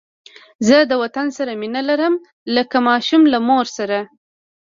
زه د وطن سره مینه لرم لکه ماشوم له مور سره